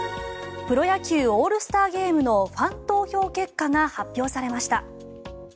プロ野球オールスターゲームのファン投票結果が発表されました。